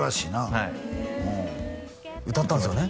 はい歌ったんですよね？